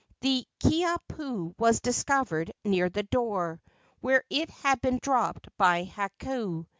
The Kiha pu was discovered near the door, where it had been dropped by Hakau.